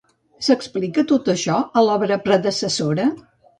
S'explica tot això a l'obra predecessora?